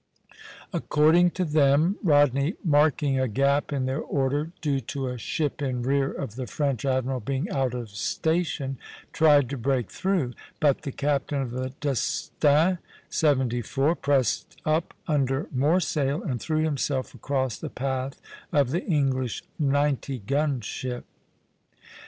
According to them, Rodney, marking a gap in their order due to a ship in rear of the French admiral being out of station, tried to break through (b); but the captain of the "Destin," seventy four, pressed up under more sail and threw himself across the path of the English ninety gun ship.